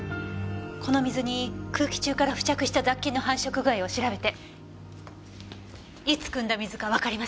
この水に空気中から付着した雑菌の繁殖具合を調べていつ汲んだ水かわかりませんか？